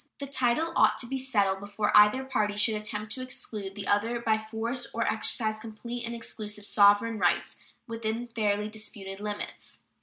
The title ought to be settled before either party should attempt to exclude the other by force or exercise complete and exclusive sovereign rights within the fairly disputed limits."